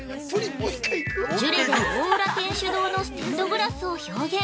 ◆ジュレで大浦天主堂のステンドグラスを表現。